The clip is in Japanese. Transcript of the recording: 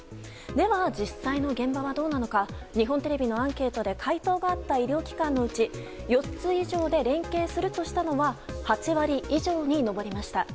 では、実際の現場はどうなのか日本テレビのアンケートで回答があった医療機関のうち４つ以上で連携するとしたのは８割以上に上りました。